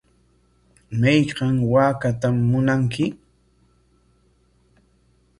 ¿Mayqan waakaatam munanki?